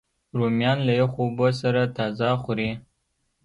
رومیان له یخو اوبو سره تازه خوري